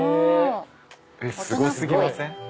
すご過ぎません？